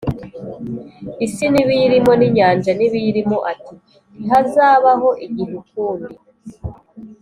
isi n’ibiyirimo n’inyanja n’ibiyirimo ati “Ntihazabaho igihe ukundi,